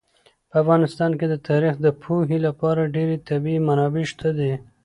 په افغانستان کې د تاریخ د پوهې لپاره ډېرې طبیعي منابع شته دي.